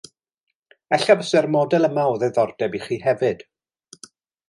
Ella buasai'r model yma o ddiddordeb i chi hefyd